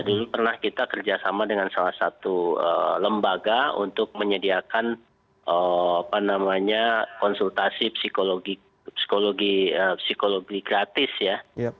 dulu pernah kita kerjasama dengan salah satu lembaga untuk menyediakan konsultasi psikologi gratis ya